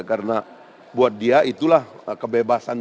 karena buat dia itulah kebebasan